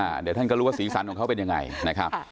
เดี๋ยวท่านก็รู้ว่าสีสันของเขาเป็นอย่างไร